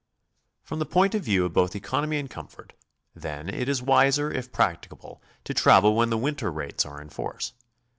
From the point of view of both economy and comfort, then, it is wiser if practicable to travel when the winter rates are in force.